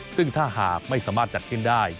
ซึ่งถ้าหากไม่สามารถจัดขึ้นได้